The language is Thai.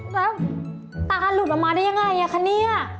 แล้วตาหลุดออกมาได้ยังไงคะเนี่ย